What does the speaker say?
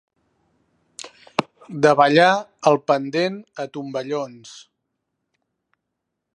Davallar el pendent a tomballons.